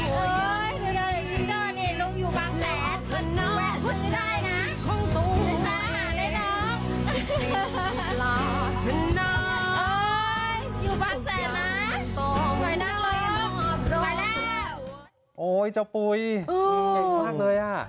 โอ้ยเจ้าปุ๋ยเข่นไปมากเลยอ่ะ